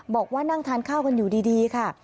บอกว่านั่งทานข้าวกันอยู่ดีค่ะ